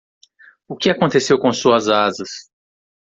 O que aconteceu com suas asas?